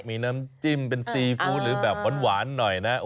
มีน้ำจิ้มเป็นซีฟู้ดหรือแบบหวานหน่อยนะ